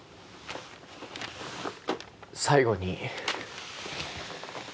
最後に。